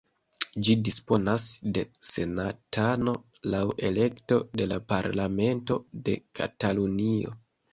Ĝi disponas de senatano laŭ elekto de la parlamento de Katalunio.